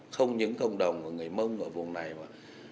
không những cộng đồng và người mông ở vùng này mà